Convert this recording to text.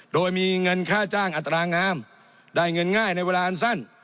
โดยมีเงินค่าจ้างอัตรางามได้เงินง่ายในเวลาอันสั้น